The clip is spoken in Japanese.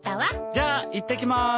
じゃあ行ってきます。